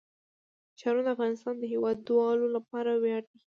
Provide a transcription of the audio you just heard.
ښارونه د افغانستان د هیوادوالو لپاره ویاړ دی.